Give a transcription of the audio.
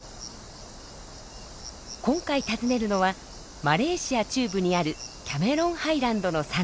今回訪ねるのはマレーシア中部にあるキャメロンハイランドの山麓。